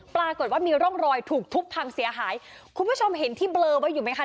ปรากฏว่ามีร่องรอยถูกทุบพังเสียหายคุณผู้ชมเห็นที่เบลอไว้อยู่ไหมคะ